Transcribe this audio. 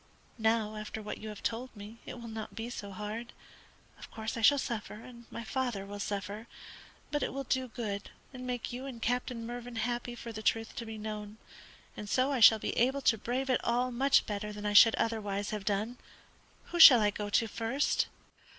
Now after what you have told me it will not be so hard. Of course I shall suffer, and my father will suffer; but it will do good and make you and Captain Mervyn happy for the truth to be known, and so I shall be able to brave it all much better than I should otherwise have done. Who shall I go to first?"